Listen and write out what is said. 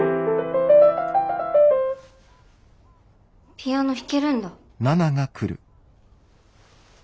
ピアノ弾けるんだ。